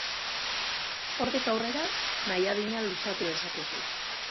Hortik aurrera, nahi adina luzatu dezakezu.